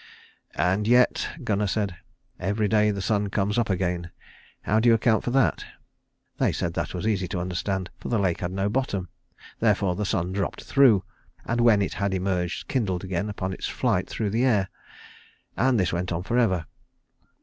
"And yet," Gunnar said, "every day the sun comes up again. How do you account for that?" They said that was easy to understand; for the lake had no bottom. Therefore the sun dropped through, and when it had emerged kindled again upon its flight through the air. And this went on for ever.